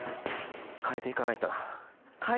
「変えていかないと」